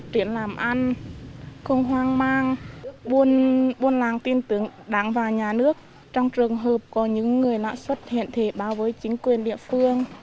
tiễn làm ăn không hoang mang buôn làng tin tưởng đảng và nhà nước trong trường hợp có những người lạ xuất hiện thì báo với chính quyền địa phương